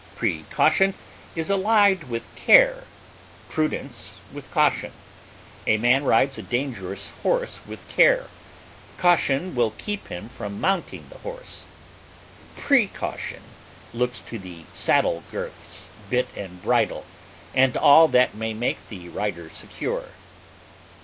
Precaution is allied with care, prudence with caution; a man rides a dangerous horse with care; caution will keep him from mounting the horse; precaution looks to the saddle girths, bit and bridle, and all that may make the rider secure.